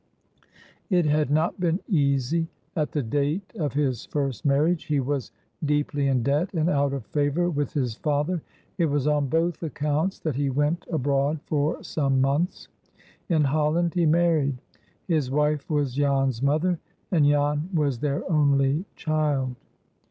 It had not been easy at the date of his first marriage. He was deeply in debt, and out of favor with his father. It was on both accounts that he went abroad for some months. In Holland he married. His wife was Jan's mother, and Jan was their only child.